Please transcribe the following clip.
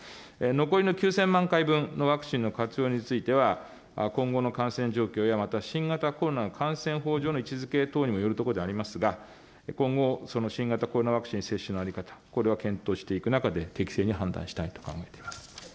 残りの９０００万回分のワクチンの活用については、今後の感染状況や、また、新型コロナの感染法上の位置づけ等にもよるところでありますが、今後、その新型コロナワクチン接種の在り方、これを検討していく中で、適正に判断したいと考えております。